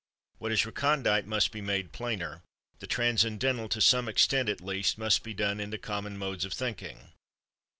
What is recondite must be made plainer; the transcendental, to some extent at least, must be done into common modes of thinking.